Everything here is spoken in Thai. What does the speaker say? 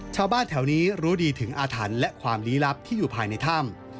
ชาวบ้านแถวนี้รู้ดีถึงอาถรรพ์และความลี้ลับที่อยู่ภายในถ้ำ